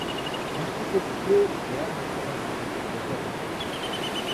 Gustuko ditu behar bezala emandako kokotekoak.